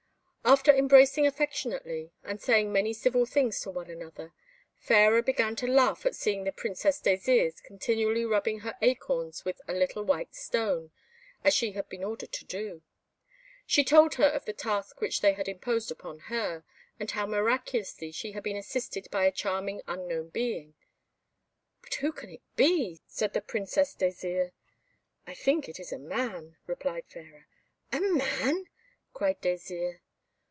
After embracing affectionately, and saying many civil things to one another, Fairer began to laugh at seeing the Princess Désirs continually rubbing her acorns with a little white stone, as she had been ordered to do. She told her of the task which they had imposed upon her, and how miraculously she had been assisted by a charming unknown being! "But who can it be?" said the Princess Désirs. "I think it is a man," replied Fairer. "A man!" cried Désirs.